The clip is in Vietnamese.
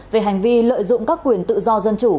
về hành vi lợi dụng các quyền tự do dân chủ